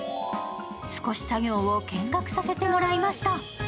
少し作業を見学させてもらいました。